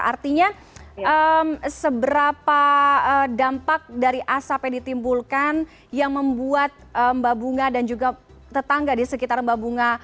artinya seberapa dampak dari asap yang ditimbulkan yang membuat mbak bunga dan juga tetangga di sekitar mbak bunga